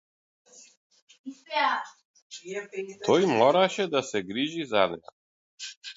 Тој мораше да се грижи за неа.